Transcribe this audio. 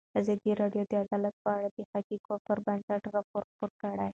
ازادي راډیو د عدالت په اړه د حقایقو پر بنسټ راپور خپور کړی.